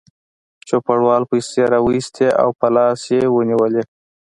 چوپړوال پیسې راوایستې او په لاس کې یې ونیولې.